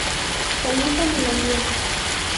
Calientan el ambiente.